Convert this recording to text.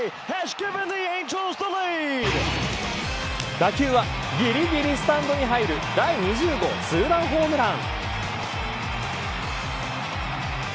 打球はぎりぎりスタンドに入る第２０号ツーランホームラン。